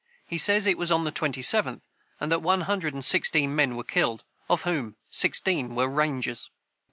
He says it was on the 27th, and that one hundred and sixteen men were killed, of whom sixteen were rangers.